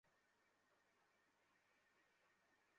আমি তোমাকে স্কুলে নামিয়ে দেব।